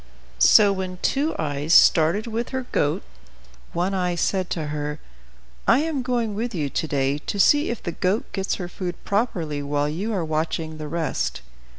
So when Two Eyes started with her goat, One Eye said to her, "I am going with you to day to see if the goat gets her food properly while you are watching the rest."